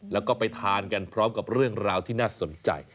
แล้วก็ไปทานกันพร้อมกับเรื่องราวที่น่าสนใจ